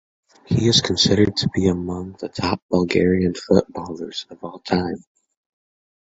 He is considered to be among the top Bulgarian footballers of all time.